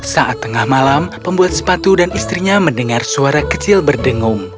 saat tengah malam pembuat sepatu dan istrinya mendengar suara kecil berdengung